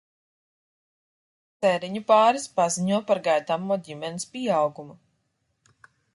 Ceriņu pāris paziņo par gaidāmo ģimenes pieaugumu.